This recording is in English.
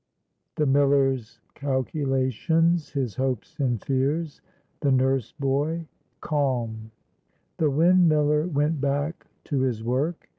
THE MILLER'S CALCULATIONS.—HIS HOPES AND FEARS.—THE NURSE BOY.—CALM. THE windmiller went back to his work.